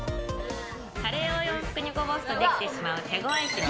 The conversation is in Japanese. カレーを洋服にこぼすとできてしまう手ごわいシミ。